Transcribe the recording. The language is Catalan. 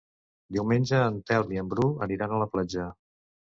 Diumenge en Telm i en Bru aniran a la platja.